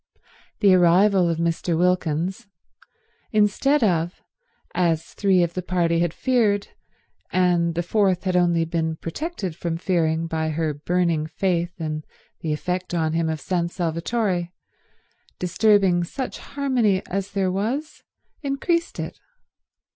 The arrival of Mr. Wilkins, instead of, as three of the party had feared and the fourth had only been protected from fearing by her burning faith in the effect on him of San Salvatore, disturbing such harmony as there was, increased it.